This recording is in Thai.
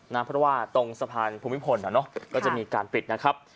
เพราะว่าตรงสะพานภูมิพลก็จะมีการปิดนะครับ